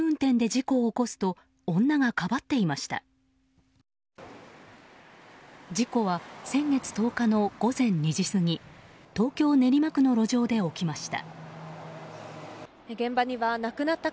事故は先月１０日の午前２時過ぎ東京・練馬区の路上で起きました。